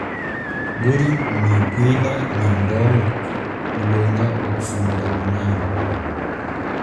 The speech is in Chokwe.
Nguli nyi pwila nyi mbongo mulonga wakufunda mwanami.